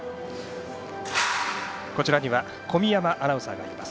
こちらには小宮山アナウンサーがいます。